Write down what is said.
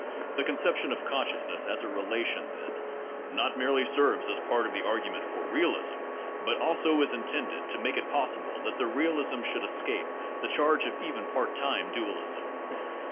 The conception of consciousness as a relation, then, not merely serves as part of the argument for realism, but also is intended to make it possible that that realism should escape the charge of even part time dualism.